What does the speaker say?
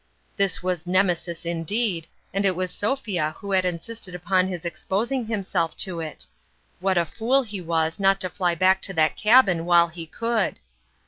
This was Nemesis indeed, and it was Sophia who had insisted upon his exposing himself to it. "What a fool he was not to fly back to that cabin while he could